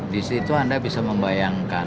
di situ anda bisa membayangkan